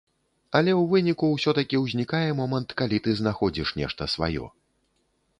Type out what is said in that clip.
Але ў выніку ўсё-такі ўзнікае момант, калі ты знаходзіш нешта сваё.